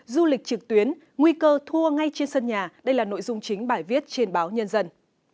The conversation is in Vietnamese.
du lịch trực tuyến nguy cơ thua ngay trên sân nhà đây là nội dung chính bài viết trên báo nhân dân